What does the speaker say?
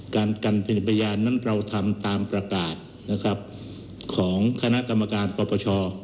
การกันเป็นพยานนั้นเราทำตามประกาศนะครับของคณะกรรมการปปช